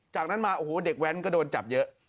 จากนั้นมาโอ้โหเด็กแว้นก็โดนจับเยอะ